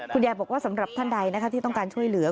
คุณยายบอกว่าสำหรับท่านใดที่ต้องการช่วยเหลือ